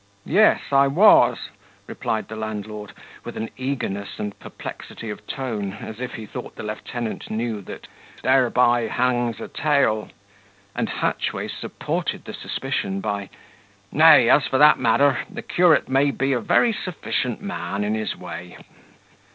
"Yes, I was," replied the landlord, with an eagerness and perplexity of tone, as if he thought the lieutenant knew that thereby hung a tale: and Hatchway supported the suspicion by "Nay, as for that matter, the curate may be a very sufficient man in his way."